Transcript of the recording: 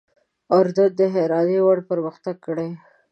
اردن د حیرانۍ وړ پرمختګ کړی.